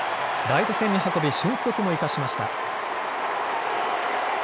ライト線に運び俊足も生かしました。